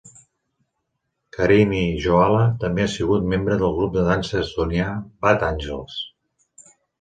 Kariny Joala també ha sigut membre del grup de dansa estonià Bad Angels.